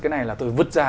cái này là tôi vứt ra